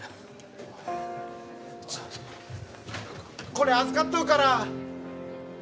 これ預かっておくから！